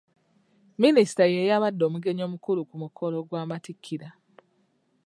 Minisita ye yabadde omugenyi omukulu ku mukolo gw'amattikira..